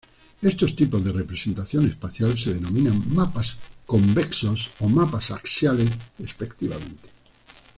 Estos tipos de representación espacial se denominan mapas convexos o mapas axiales, respectivamente.